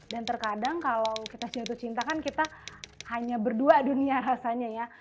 dan terkadang kalau kita jatuh cinta kan kita hanya berdua dunia rasanya ya